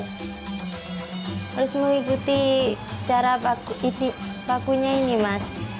harus mengikuti cara pakunya ini mas